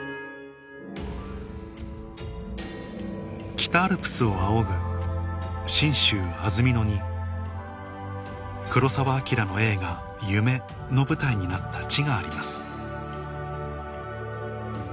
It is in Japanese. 北アルプスを仰ぐ信州・安曇野に黒澤明の映画『夢』の舞台になった地があります